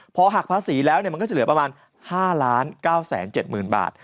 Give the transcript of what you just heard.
พอหักภาษีแล้วมันก็จะเหลือประมาณ๕๙๗๐๐๐บาท